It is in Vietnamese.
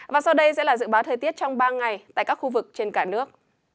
và sau đây sẽ là dự báo thời tiết trong ba ngày tại các khu vực trên cả nước